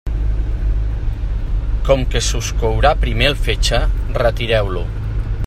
Com que se us courà primer el fetge, retireu-lo.